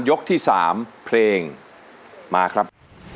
ยกที่๓เพลงมาครับ